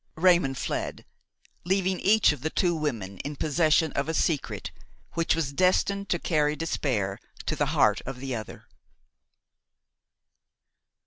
Raymon fled, leaving each of the two women in possession of a secret which was destined to carry despair to the heart of the other.